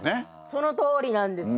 そのとおりなんです。